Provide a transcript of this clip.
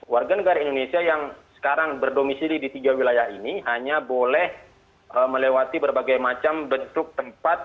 warga negara indonesia yang sekarang berdomisili di tiga wilayah ini hanya boleh melewati berbagai macam bentuk tempat